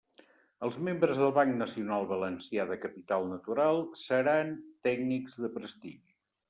Els membres del Banc Nacional Valencià de Capital Natural seran tècnics de prestigi.